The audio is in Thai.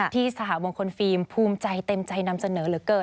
ที่สหบวงคนฟิล์มภูมิใจเต็มใจนำเสนอ